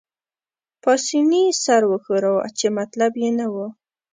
پاسیني سر وښوراوه، چې مطلب يې نه وو.